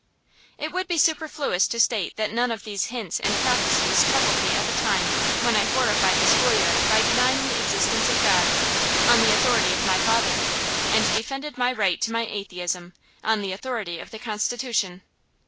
It would be superfluous to state that none of these hints and prophecies troubled me at the time when I horrified the schoolyard by denying the existence of God, on the authority of my father; and defended my right to my atheism, on the authority of the Constitution.